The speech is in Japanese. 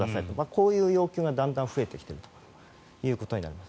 こういう要求がだんだん増えてきているということになります。